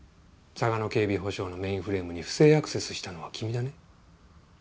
サガノ警備保障のメインフレームに不正アクセスしたのは君だね？